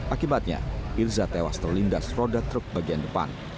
akibatnya irza tewas terlindas roda truk bagian depan